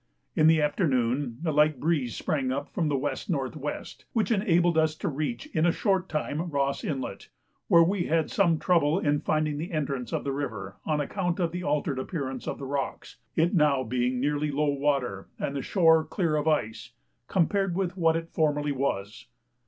In the afternoon a light breeze sprang up from W.N.W., which enabled us to reach in a short time Ross Inlet, where we had some trouble in finding the entrance of the river on account of the altered appearance of the rocks, it being now nearly low water and the shore clear of ice, compared with what it formerly was.